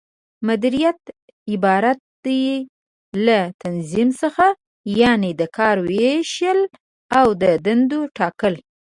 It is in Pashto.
مديريت عبارت دى له تنظيم څخه، یعنې د کار وېشل او د دندو ټاکل